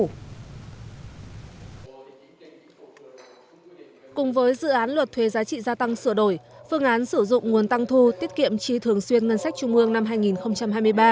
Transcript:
cùng với dự án luật thuê giá trị gia tăng sửa đổi phương án sử dụng nguồn tăng thu tiết kiệm trí thường xuyên ngân sách trung ương năm hai nghìn hai mươi ba